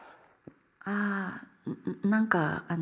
あぁ何かあの。